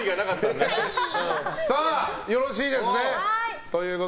よろしいですね。